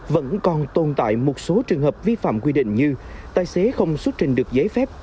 vẫn còn tồn tại một số trường hợp vi phạm quy định như tài xế không xuất trình được giấy phép